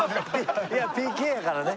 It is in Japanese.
いやＰＫやからね。